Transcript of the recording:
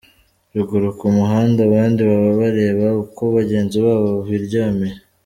Ruguru ku muhanda abandi baba barebe uko bagenzi babo biryamiye.